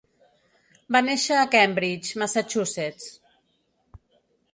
Va néixer a Cambridge, Massachusetts.